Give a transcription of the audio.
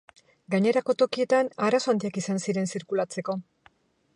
Gainerako tokietan, arazo handiak izan ziren zirkulatzeko.